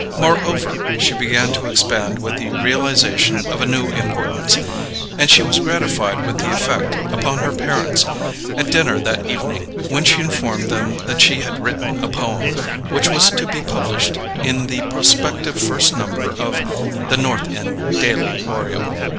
Moreover, she began to expand with the realization of a new importance; and she was gratified with the effect upon her parents, at dinner that evening, when she informed them that she had written a poem, which was to be published in the prospective first number of The North End Daily Oriole.